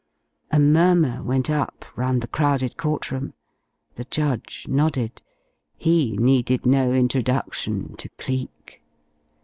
A murmur went up round the crowded court room. The judge nodded. He needed no introduction to Cleek.